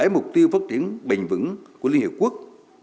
một mươi bảy mục tiêu phát triển bình vững của liên hiệp quốc